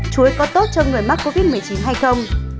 chuối có tốt cho người mắc covid một mươi chín hay không